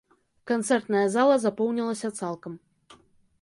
Канцэртная зала запоўнілася цалкам.